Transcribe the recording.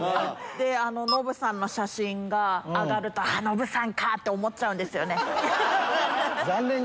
でノブさんの写真が上がるとあぁノブさんか！って思っちゃうんですよね。